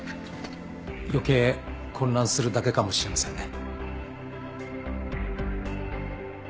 余計混乱するだけかもしれませんね。